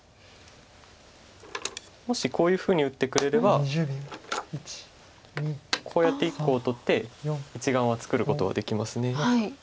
もしこういうふうに打ってくれればこうやって１個を取って１眼は作ることはできます。